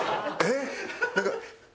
「えっ？」